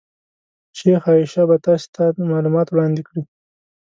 شیخه عایشه به تاسې ته معلومات وړاندې کړي.